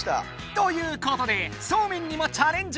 ということでそうめんにもチャレンジ！